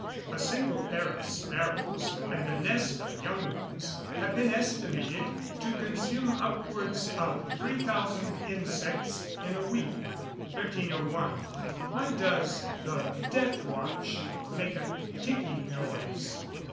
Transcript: A single pair of sparrows and a nest of young ones have been estimated to consume upwards of three thousand insects in a week. 1301. _Why does the "death watch" make a ticking noise?